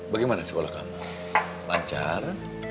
bagaimana sekolah kamu lancar